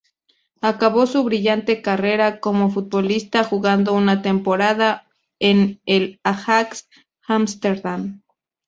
Acabó su brillante carrera como futbolista jugando una temporada en el Ajax Ámsterdam.